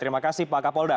terima kasih pak kapolda